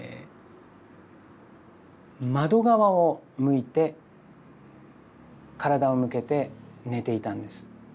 窓側を向いて体を向けて寝ていたんです。